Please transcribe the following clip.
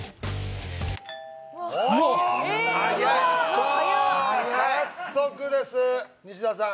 さあ早速です西田さん